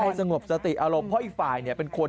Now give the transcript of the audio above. สงบสติอารมณ์เพราะอีกฝ่ายเป็นคน